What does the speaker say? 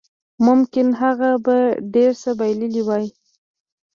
ممکن هغه به ډېر څه بایللي وای